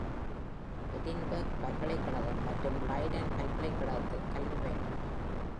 Edinburgh பல்கலைக்கழகம் மற்றும் Leiden பல்கலைக்கழகத்தில் கல்வி பயின்றார்.